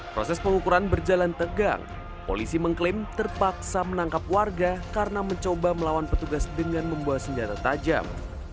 proses pengukuran berjalan tegang polisi mengklaim terpaksa menangkap warga karena mencoba melawan petugas dengan membawa senjata tajam